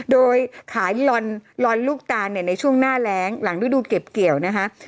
โดยขายลอนลูกตาลในช่วงหน้าแรงหลังฤดูเก็บเกี่ยวนะคะ